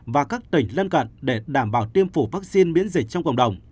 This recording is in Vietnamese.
và các tỉnh lên cận để đảm bảo tiêm phủ vaccine miễn dịch trong cộng đồng